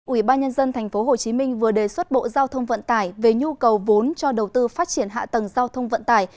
ủy ban nhân dân tp hcm vừa đề xuất bộ giao thông vận tải về nhu cầu vốn cho đầu tư phát triển hạ tầng giao thông vận tải